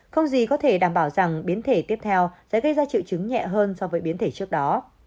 không gì có thể đảm bảo rằng biến thể tiếp theo sẽ gây ra triệu chứng nhẹ hơn so với biến thể trước đó